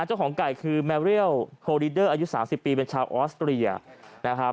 เจ้าของไก่คือแมเรียลโฮริเดอร์อายุ๓๐ปีเป็นชาวออสเตรียนะครับ